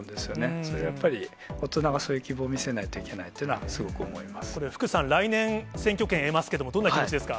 それはやっぱり、大人がそういう希望を見せないといけないっていうのはすごく思いこれは福さん、来年、選挙権得ますけれども、どんな気持ちですか？